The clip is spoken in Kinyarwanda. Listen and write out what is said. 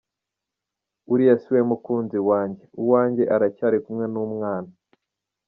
Uriya si we mukunzi wanjye, uwanjye aracyari kumwe n’umwana”.